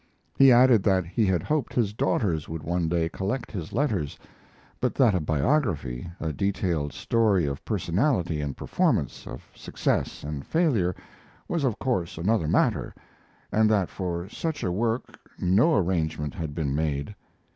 He added that he had hoped his daughters would one day collect his letters; but that a biography a detailed story of personality and performance, of success and failure was of course another matter, and that for such a work no arrangement had been made.